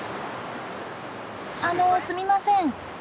あのすみません。